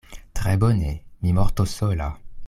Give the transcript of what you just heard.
Tre bone: mi mortos sola.